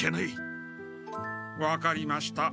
分かりました。